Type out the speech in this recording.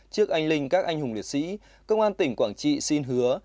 trước anh linh các anh hùng liệt sĩ công an tỉnh quảng trị xin hứa